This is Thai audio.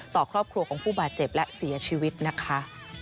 ต่อครอบครัวของผู้บาดเจ็บและเสียชีวิตนะคะ